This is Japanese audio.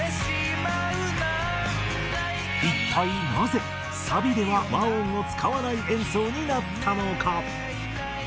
一体なぜサビでは和音を使わない演奏になったのか？